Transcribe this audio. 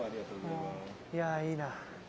いやいいな。